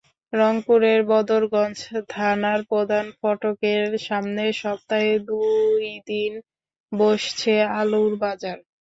রংপুরের বদরগঞ্জ থানার প্রধান ফটকের সামনে সপ্তাহে দুই দিন বসছে আলুর বাজার।